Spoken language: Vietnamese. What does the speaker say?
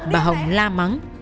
bà hồng la mắng